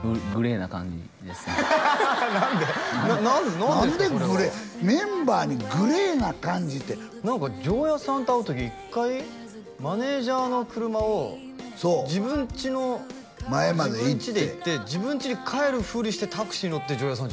それは何でグレーメンバーにグレーな感じって何か丈弥さんと会う時一回マネージャーの車を自分ちの前まで行って自分ちに帰るふりしてタクシー乗って丈弥さん